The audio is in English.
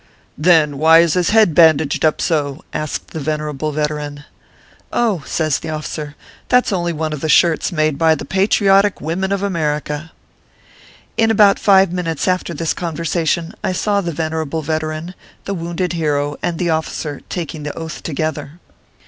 " Then, why is his head bandaged up so ?" asked the venerable veteran. " Oh !" says the officer, " that s only one of the shirts made by the patriotic wimmen of America." In about five minutes after this conversation, I saw the venerable veteran, the wounded hero, and the officer taking the Oath together.